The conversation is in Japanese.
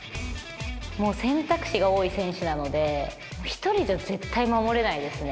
もう選択肢が多い選手なので、１人じゃ絶対守れないですね。